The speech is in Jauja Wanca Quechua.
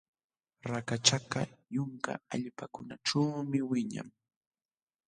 Rakachakaq yunka allpakunaćhuumi wiñan.